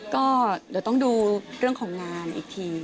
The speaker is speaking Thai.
ก็เดี๋ยวต้องดูเรื่องของงานอีกที